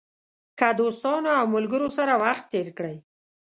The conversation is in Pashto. که دوستانو او ملګرو سره وخت تېر کړئ.